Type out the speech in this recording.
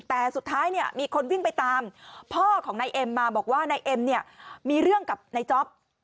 แต่สุดท้ายเนี่ยมีคนวิ่งไปตามพ่อของนายเอ็มมาบอกว่านายเอ็มเนี่ยมีเรื่องกับนายจ๊อป